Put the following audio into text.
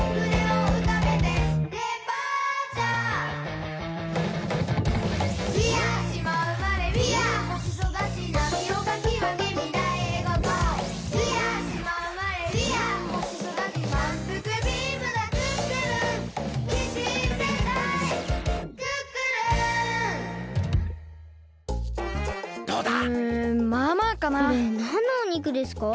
これなんのお肉ですか？